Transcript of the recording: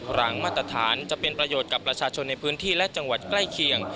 หลังมาตรฐานจะเป็นประโยชน์กับประชาชนในพื้นที่และจังหวัดใกล้เคียง